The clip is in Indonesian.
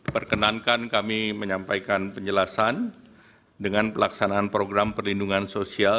perkenankan kami menyampaikan penjelasan dengan pelaksanaan program perlindungan sosial